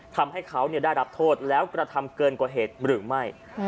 ทำให้เขาได้รับโทษแล้วกระทำเกินกว่าเหตุหรือไม่